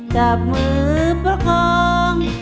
จับมือประคอง